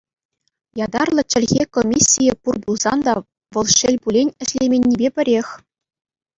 Ятарлӑ чӗлхе комиссийӗ пур пулсан та, вӑл, шел пулин, ӗҫлеменнипе пӗрех.